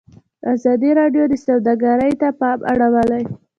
ازادي راډیو د سوداګري ته پام اړولی.